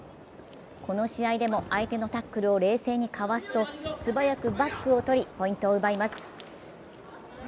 この試合でも相手のタックルを冷静にかわすと素早くバックをとりポイントを奪います。